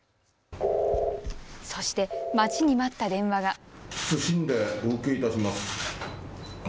そして待ちに待った電話が。